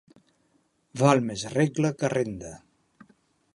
Val més regla que renda.